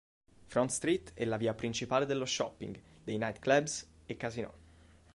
Front Street è la via principale dello shopping, dei night clubs e casinò.